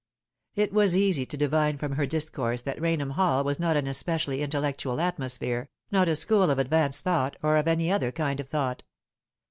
It was easy to divine from her discourse that Rainham Hall was not an especially intellectual atmosphere, not a school of advanced thought, or of any other kind of thought.